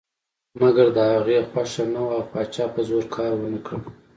مګر د هغې خوښه نه وه او پاچا په زور کار ونه کړ.